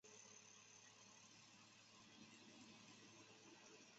本剧由渡边谦主演。